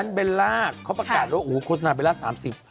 วันนั้นเบลล่าเขาประกาศแล้วโอ้โหโฆษณาเบลล่าสามสิบ